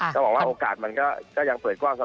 ต้องบอกว่าโอกาสมันก็ยังเปิดกว้างสัก